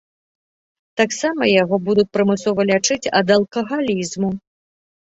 Таксама яго будуць прымусова лячыць ад алкагалізму.